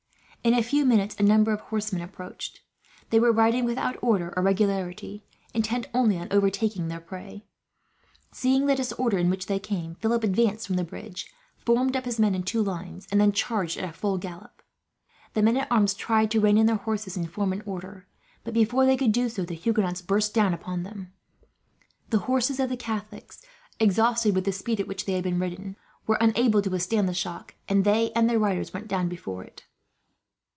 In a few minutes, a number of horsemen approached. They were riding without order or regularity, intent only on overtaking their prey. Seeing the disorder in which they came, Philip advanced from the bridge, formed up his men in two lines, and then charged at full gallop. The men at arms tried to rein in their horses and form in order but, before they could do so, the Huguenots burst down upon them. The horses of the Catholics, exhausted with the speed at which they had been ridden, were unable to withstand the shock; and they and their riders went down before it.